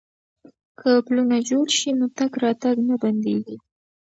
که پلونه جوړ شي نو تګ راتګ نه بندیږي.